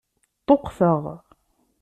Ṭṭuqteɣ.